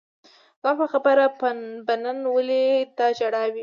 زما په برخه به نن ولي دا ژړاوای